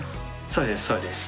そうですそうです。